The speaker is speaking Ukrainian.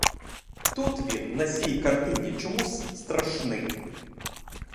Тут він на сій картині чомусь страшний.